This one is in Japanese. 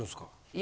今。